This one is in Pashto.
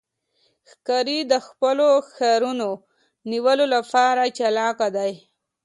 ښکاري د خپلو ښکارونو د نیولو لپاره چالاک دی.